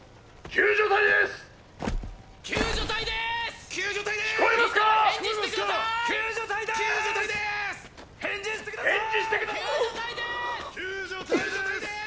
救助隊です！！